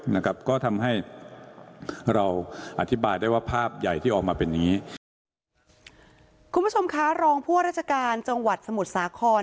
นะครับก็ทำให้เราอธิบายได้ว่าภาพใหญ่ที่ออกมาเป็นนี้คุณผู้ชมคะรองผู้ว่าราชการจังหวัดสมุทรสาคร